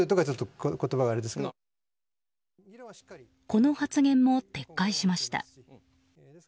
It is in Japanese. この発言も撤回しました。